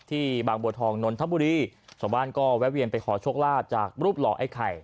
ที่บางบัวทองนนทบุรีสมบันก็แวะเวียนไปขอชกลาดจากรูปหลอกไอ้ไข่